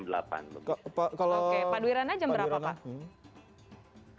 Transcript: oke paduirana jam berapa pak